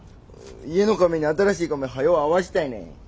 家のカメに新しいカメはよう会わしたいねん。